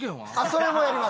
それもやります。